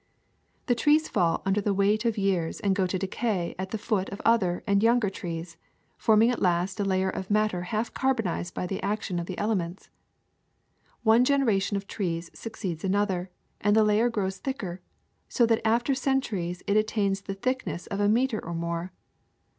The trees fall under the weight of years and go to decay at the foot of other and younger trees, forming at last a layer of matter half carbonized by the action of the elements. One generation of trees succeeds another, and the layer grows thicker, so that after centuries it attains the thickness of a meter or more.